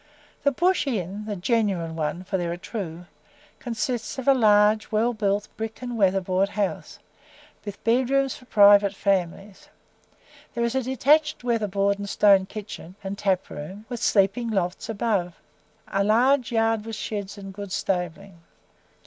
The "Bush Inn" (the genuine one, for there are two) consists of a large, well built, brick and weather board house, with bed rooms for private families. There is a detached weather board, and stone kitchen, and tap room, with sleeping lofts above, a large yard with sheds and good stabling.